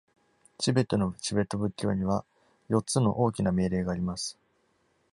チベットのチベット仏教には四つの大きな命令があります。